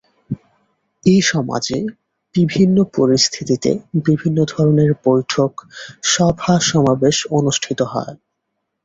এ সমাজে বিভিন্ন পরিস্থিতিতে বিভিন্ন ধরনের বৈঠক, সভা সমাবেশ অনুষ্ঠিত হয়।